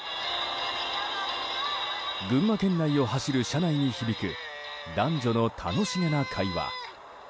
群馬県内を走る車内に響く男女の楽しげな会話。